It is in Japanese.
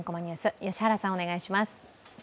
良原さん、お願いします。